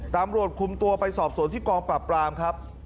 ตำรวจคุมตัวไปสอบสวนที่กองปราบปรามครับ